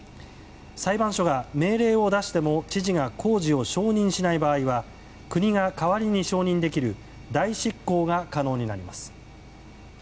裁判所が命令を出しても知事が工事を承認しない場合は国が代わりに承認できる代執行が可能になります。